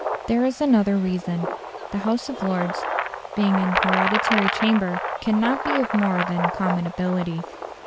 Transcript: There is another reason. The House of Lords, being an hereditary chamber, cannot be of more than common ability.